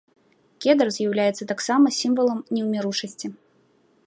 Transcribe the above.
Кедр з'яўляецца таксама сімвалам неўміручасці.